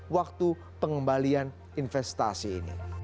waktu pengembalian investasi ini